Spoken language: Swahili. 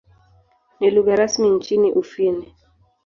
Ni lugha rasmi nchini Ufini.